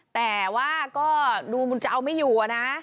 แต่ว่าก็ดูมันจะเอาไม่อยู่อะนะ